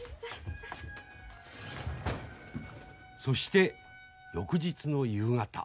そして翌日の夕方。